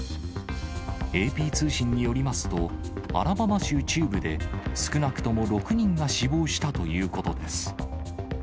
ＡＰ通信によりますと、アラバマ州中部で、少なくとも６人が死亡したということです。